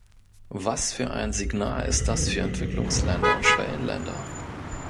Was für ein Signal ist das für Entwicklungsländer und Schwellenländer?